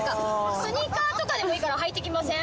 スニーカーとかでもいいから履いてきません？